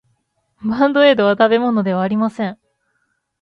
バンドエードは食べ物ではありません。